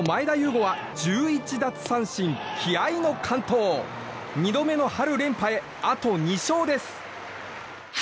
伍は１１奪三振で気合の完投２度目の春連覇へあと２勝です。